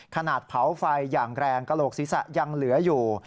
ขนาดเผาไฟอย่างแรงกระโหลกศีรษะยังเหลืออยู่